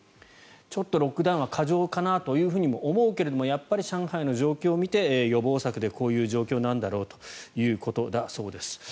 ちょっとロックダウンは過剰かなとも思うけどもやっぱり上海の状況を見て予防策でこういう状況なんだろうということです。